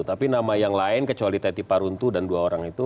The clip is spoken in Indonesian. tapi nama yang lain kecuali teti paruntu dan dua orang itu